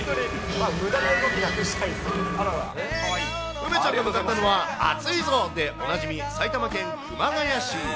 梅ちゃんが向かったのは、暑いぞでおなじみ、埼玉県熊谷市。